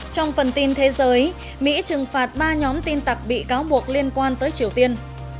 trong phần tin thế giới mỹ trừng phạt ba nhóm tin tặc bị cáo buộc liên quan tới triều tiên